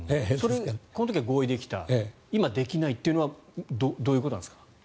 この時は合意できた今できないというのはどういうことなんですか？